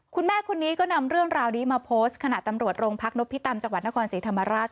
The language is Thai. คุณแม่คนนี้ก็นำเรื่องราวนี้มาโพสต์ขณะตำรวจโรงพักนพิตำจังหวัดนครศรีธรรมราช